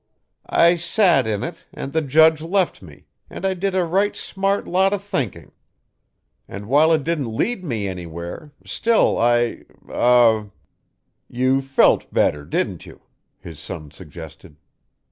I sat in it, and the Judge left me, and I did a right smart lot o' thinking. And while it didn't lead me anywhere, still I er " "You felt better, didn't you?" his son suggested.